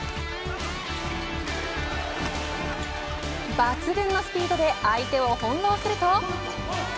抜群のスピードで相手を翻弄すると。